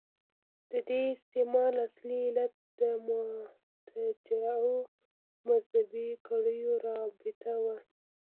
د دې استعمال اصلي علت د مرتجعو مذهبي کړیو رابطه وه.